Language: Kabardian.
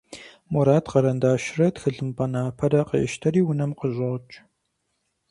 Мурат къэрэндащрэ тхылъымпӀэ напэрэ къещтэри унэм къыщӀокӀ.